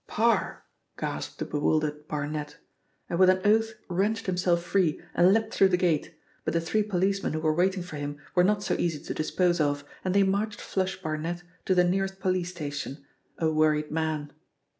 "Parr!" gasped the bewildered Barnet, and with an oath wrenched himself free and leapt through the gate, but the three policemen who were waiting for him were not so easy to dispose of, and they marched 'Flush' Barnet to the nearest police station, a worried man.